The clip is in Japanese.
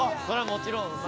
そりゃもちろん。